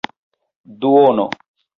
duono